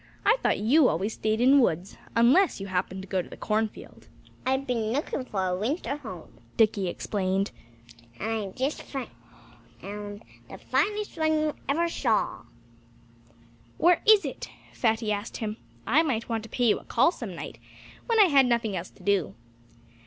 I thought you always stayed in the woods unless you happened to go to the cornfield." "I've been looking for a winter home," Dickie explained. "And I've just found the finest one you ever saw." "Where is it!" Fatty asked him. "I might want to pay you a call some night when I had nothing else to do."